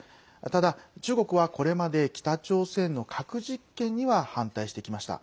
ただ、中国はこれまで北朝鮮の核実験には反対してきました。